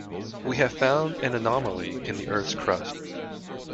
We have found an anomaly in the earth's crust.